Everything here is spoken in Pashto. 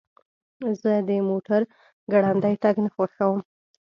زه د موټر ګړندی تګ نه خوښوم.